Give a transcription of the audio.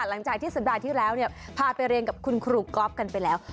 หลังจากที่สัปดาห์ที่แล้วพาไปเรียนกับคุณครูก๊อฟกันไปแล้ว